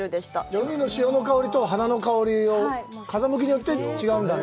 じゃあ海の潮の香りと花の香りを風向きによって違うんだね。